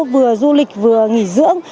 vừa du lịch vừa nghỉ dưỡng